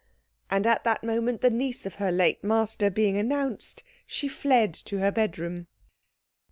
And at that moment, the niece of her late master being announced, she fled into her bedroom.